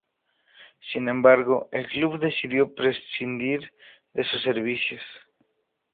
Sin embargo, el club decidió prescindir de sus servicios.